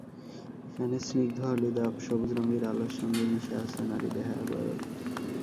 এখানে স্নিগ্ধ হলুদাভ সবুজ রঙের আলোর সঙ্গে মিশে আছে নারী দেহাবয়ব।